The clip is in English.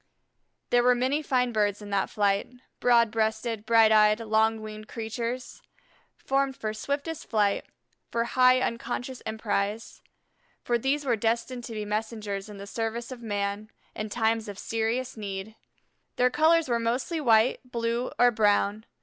There were many fine birds in that flight, broad breasted, bright eyed, long winged creatures, formed for swiftest flight, for high unconscious emprise, for these were destined to be messengers in the service of man in times of serious need. Their colors were mostly white, blue, or brown.